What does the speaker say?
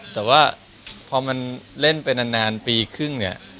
แต่ว่าพอมันเล่นไปนานปีครึ่งเนี่ย